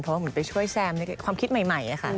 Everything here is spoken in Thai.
เพราะว่าไปช่วยแจมน์ได้ความคิดใหม่